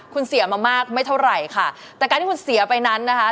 คุณเสียมามากไม่เท่าไหร่ค่ะแต่การที่คุณเสียไปนั้นนะคะ